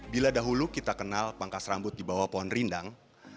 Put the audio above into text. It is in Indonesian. bila dahulu kita kenal pangkas rambut di bawah pohon rindang